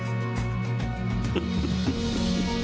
フフフフ。